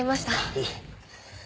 いえ。